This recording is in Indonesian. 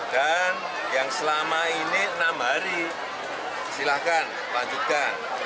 dan yang selama ini enam hari silakan lanjutkan